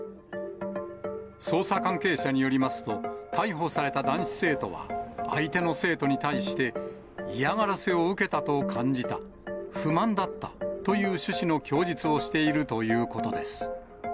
捜査関係者によりますと、逮捕された男子生徒は、相手の生徒に対して、嫌がらせを受けたと感じた、不満だったという趣旨の供述をしているということです。